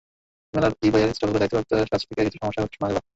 মেলার ই-বইয়ের স্টলগুলোর দায়িত্বপ্রাপ্তদের কাছ থেকে কিছু সমস্যার কথাও শোনা গেল।